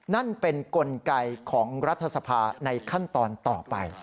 นั่นเป็นกลไกของรัฐสภาในขั้นตอนต่อไป